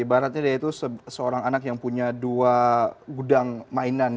ibaratnya dia itu seorang anak yang punya dua gudang mainan